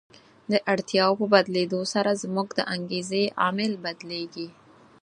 د اړتیاوو په بدلېدو سره زموږ د انګېزې عامل بدلیږي.